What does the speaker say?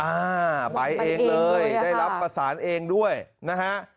อ่าไปเองเลยได้รับประสานเองด้วยนะฮะ